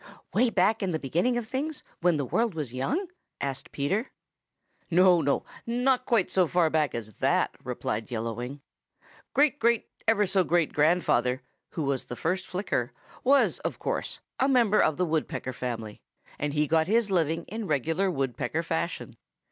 "Way back in the beginning of things, when the world was young?" asked Peter. "No, not quite so far back as that," replied Yellow Wing. "Great great ever so great grandfather, who was the first Flicker, was, of course, a member of the Woodpecker family, and he got his living in regular Woodpecker fashion.